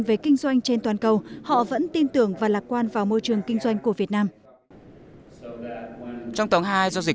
về kinh doanh trên toàn cầu họ vẫn tin tưởng và lạc quan vào môi trường kinh doanh của việt nam